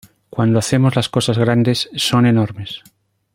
Cuando hacemos las cosas grandes, son enormes!